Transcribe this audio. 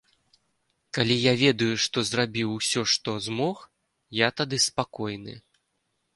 Калі я ведаю, што зрабіў усё, што змог, я тады спакойны.